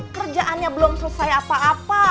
kerjaannya belum selesai apa apa